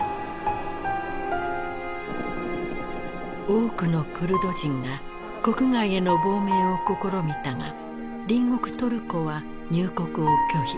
多くのクルド人が国外への亡命を試みたが隣国トルコは入国を拒否。